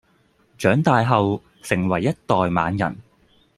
長大後成為一代猛人